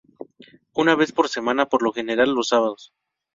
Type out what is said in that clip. Una vez por semana, por lo general los sábados.